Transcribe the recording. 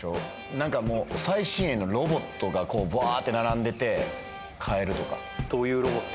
なんかもう最新鋭のロボットがこうバーッて並んでて買えるとかどういうロボット？